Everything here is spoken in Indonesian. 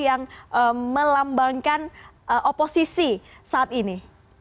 yang melambangkan oposisi saat ini